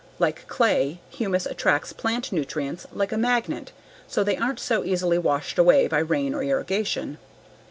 Like clay, humus attracts plant nutrients like a magnet so they aren't so easily washed away by rain or irrigation.